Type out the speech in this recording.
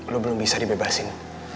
lo belum bisa dibebaskan